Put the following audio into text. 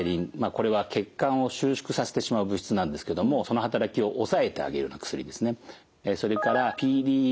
これは血管を収縮させてしまう物質なんですけどもその働きを抑えてあげるような薬ですね。